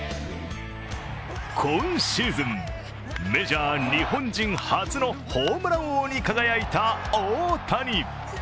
今シーズン、メジャー日本人初のホームラン王に輝いた大谷。